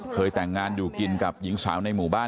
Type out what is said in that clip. เคยแต่งงานอยู่กินกับหญิงสาวในหมู่บ้าน